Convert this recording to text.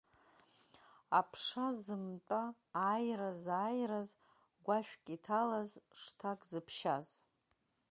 Аԥша зымтәа ааира зааираз, гәашәк иҭалаз, шҭак зыԥшьаз.